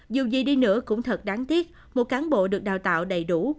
dù gì đi nữa cũng thật đáng tiếc một cán bộ được đào tạo đầy đủ